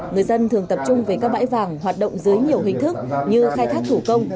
người dân thường tập trung về các bãi vàng hoạt động dưới nhiều hình thức như khai thác thủ công